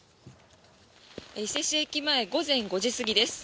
伊勢市駅前午前５時過ぎです。